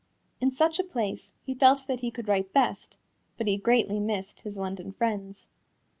In such a place he felt that he could write best, but he greatly missed his London friends.